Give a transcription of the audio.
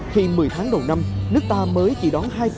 khi một mươi tháng đầu năm nước ta mới chỉ đón hai